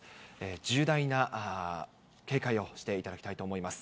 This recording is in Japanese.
重大な警戒をしていただきたいと思います。